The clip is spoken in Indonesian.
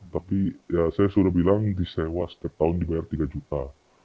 tapi ya saya sudah bilang disewa setiap tahun dibayar tiga juta